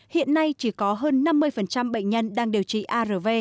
hiện nay chỉ có hơn năm mươi bệnh nhân đang điều trị arv